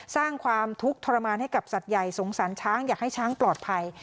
สร้างความทุกข์ทรมานให้กับสัตว์ใหญ่สงสารช้างอยากให้ช้างปลอดภัย